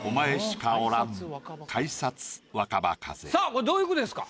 これどういう句ですか？